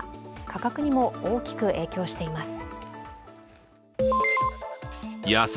価格にも大きく影響しています。